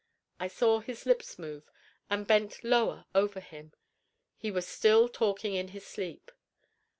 I saw his lips move, and bent lower over him. He was still talking in his sleep.